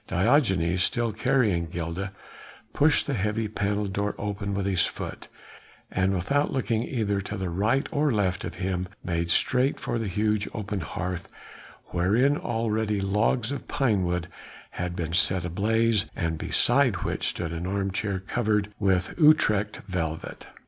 Diogenes, still carrying Gilda, pushed the heavy panelled door open with his foot, and without looking either to right or left of him made straight for the huge open hearth, wherein already logs of pinewood had been set ablaze, and beside which stood an armchair, covered with Utrecht velvet.